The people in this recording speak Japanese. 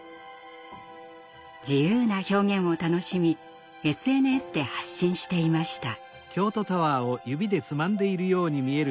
自由な表現を楽しみＳＮＳで発信していました。